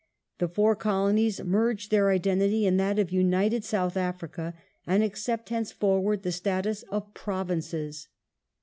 The four colonies merge their identity in that of United South Africa, and accept henceforward the status of Provinces.